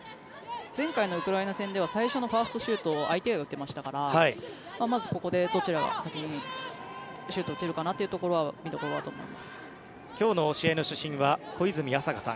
前回のウクライナ戦では最初のファーストシュートを相手が打っていましたからまずここでどっちが先にシュートを打てるかなというのが今日の試合の主審は小泉朝香さん